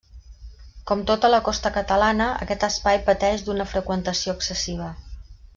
Com tota la costa catalana, aquest espai pateix d'una freqüentació excessiva.